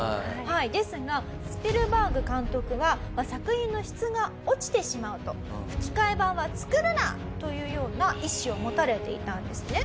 ですがスピルバーグ監督は作品の質が落ちてしまうと吹き替え版は作るな！というような意思を持たれていたんですね。